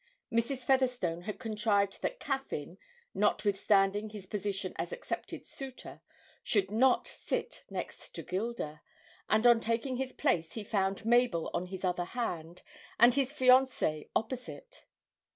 Mrs. Featherstone had contrived that Caffyn, notwithstanding his position as accepted suitor, should not sit next to Gilda, and on taking his place he found Mabel on his other hand and his fiancée opposite.